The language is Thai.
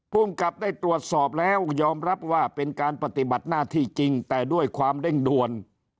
ภูมิกับได้ตรวจสอบแล้วยอมรับว่าเป็นการปฏิบัติหน้าที่จริงแต่ด้วยความเร่งด่วน